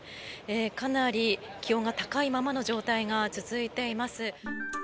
かなり気温が高いままの状態が続いています。